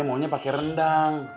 dia maunya pake rendang